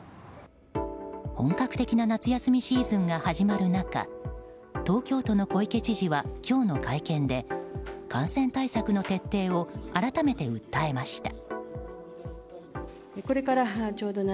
本格的な夏休みシーズンが始まる中東京都の小池知事は今日の会見で感染対策の徹底を改めて訴えました。